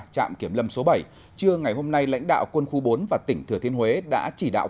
trạm kiểm lâm số bảy trưa ngày hôm nay lãnh đạo quân khu bốn và tỉnh thừa thiên huế đã chỉ đạo